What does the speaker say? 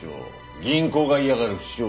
銀行が嫌がる不祥事を。